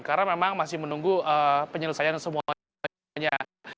karena memang masih menunggu penyelesaian semuanya